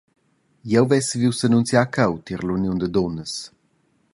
Jeu vess saviu s’annunziar cheu tier l’uniun da dunnas.